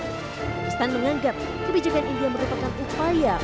pakistan menganggap kebijakan india merupakan upaya